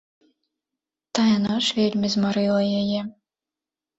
Тая ноч вельмі змарыла яе.